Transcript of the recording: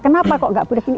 kenapa kok gak boleh begini